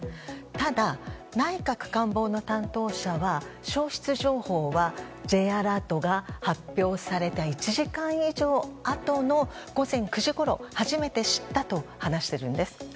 ただ、内閣官房の担当者は消失情報はＪアラートが発表された１時間以上あとの午前９時ごろに初めて知ったと話しているんです。